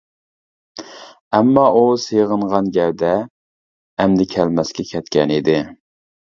ئەمما ئۇ سېغىنغان گەۋدە ئەمدى كەلمەسكە كەتكەن ئىدى.